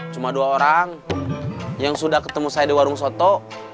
cuma dua orang yang sudah ketemu saya di warung soto